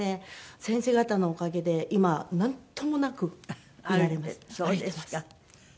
先生方のおかげで今なんともなくいられます歩いてます。